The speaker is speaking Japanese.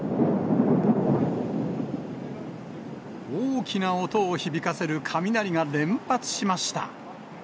大きな音を響かせる雷が連発しました。